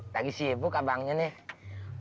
lagi sibuk abangnya nih